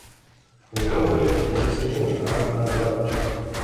Увогуле, я не сумую, нават наадварот.